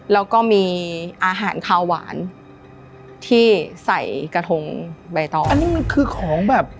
แล้วก็มีอาหารขาวหวานที่ใส่กระทงใบตองอันนี้มันคือของแบบ